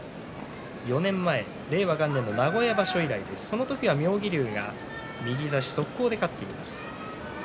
４年前、令和元年の名古屋場所以来その時は妙義龍が右差し速攻で勝っています。